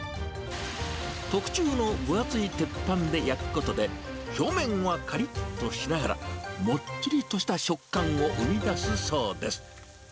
特注の分厚い鉄板で焼くことで、表面はかりっとしながら、もっちりとした食感を生み出すそうです。